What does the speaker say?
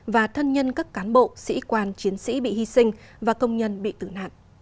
và thân nhân các cán bộ sĩ quan chiến sĩ bị hy sinh và công nhân bị tử nạn